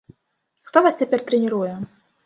Хто вас цяпер трэніруе?